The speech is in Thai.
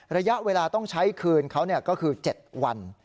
ระยะเวลาต้องใช้คืนเขาก็คือ๗วัน